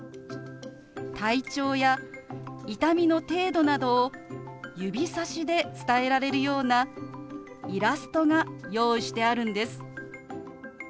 体調や痛みの程度などを指さしで伝えられるようなイラストが用意してあるんです。